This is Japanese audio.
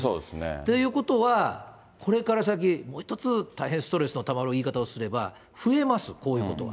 ということは、これから先、もう一つ大変ストレスのたまる言い方をすれば、増えます、こういうことは。